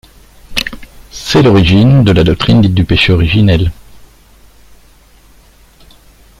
C'est l'origine de la doctrine dite du péché originel.